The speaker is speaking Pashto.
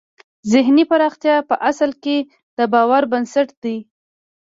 ذهني پراختیا په اصل کې د باور بنسټ دی